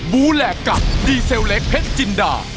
บูแหลกกับดีเซลเล็กเพชรจินดา